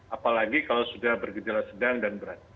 apalagi kalau sudah bergejala sedang dan berat